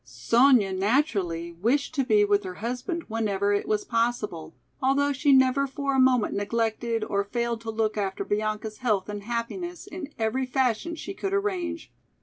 Sonya naturally wished to be with her husband whenever it was possible, although she never for a moment neglected, or failed to look after Bianca's health and happiness in every fashion she could arrange.